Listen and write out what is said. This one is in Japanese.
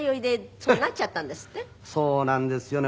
そうなんですよね。